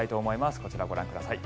こちら、ご覧ください。